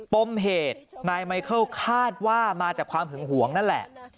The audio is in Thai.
ปมเหตุนายไมเคิลคาดว่ามาจากความหึงหวงนั่นแหละ